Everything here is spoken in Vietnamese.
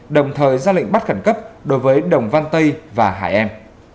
đồng thời ra lệnh bắt khẩn cấp đối với đồng văn tây và hải em